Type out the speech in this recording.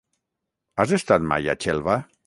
Has estat mai a Xelva?